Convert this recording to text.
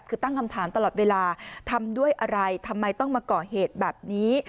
คือตั้งคำถามตลอดเวลาทำด้วยอะไรทำไมต้องมาก่อเหตุแบบนี้